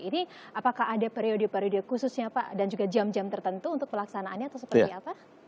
ini apakah ada periode periode khususnya pak dan juga jam jam tertentu untuk pelaksanaannya atau seperti apa